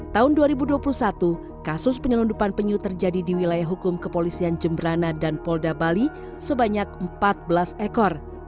tahun dua ribu dua puluh satu kasus penyelundupan penyu terjadi di wilayah hukum kepolisian jemberana dan polda bali sebanyak empat belas ekor